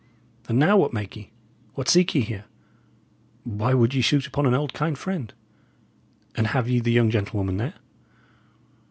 And now, what make ye? what seek ye here? Why would ye shoot upon an old, kind friend? And have ye the young gentlewoman there?"